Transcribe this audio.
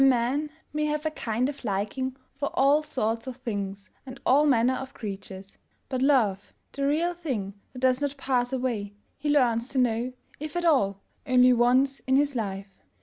MAN may have a kind of liking for all sorts of things and all manner of creatures; but love — the real thing that does not pass away — he learns to know, if at all, only once in his life.